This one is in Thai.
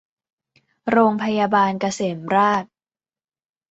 โรงพยาบาลเกษมราษฎร์